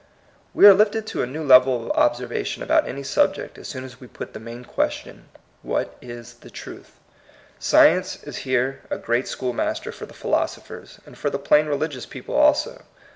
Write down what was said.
We are lifted to a new level of obser vation about any subject as soon as we put the main question. What is the truth? Science is here a great schoolmaster for the philosophers, and for the plain reli gious people also.